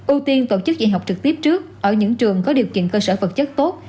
ưu tiên tổ chức dạy học trực tiếp trước ở những trường có điều kiện cơ sở vật chất tốt